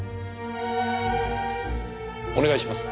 お願いします。